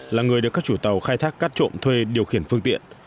là người được các chủ tàu khai thác cát trộm thuê điều khiển phương tiện